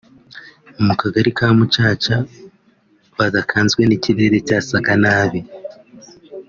mu kagari ka Mucaca badakanzwe n’ikirere cyasaga nabi